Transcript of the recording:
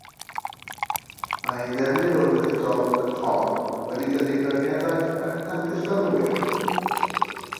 Mae ei ddefnydd o'r fethodoleg honno wedi denu beirniadaeth ac amddiffynwyr.